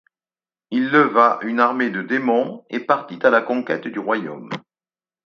Il leva une armée de démons et partit à la conquête du royaume.